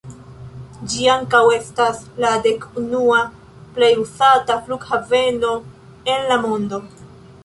Ĝi ankaŭ estas la dek-unua plej uzata flughaveno en la mondo.